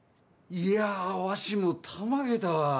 いやわしもたまげたわ。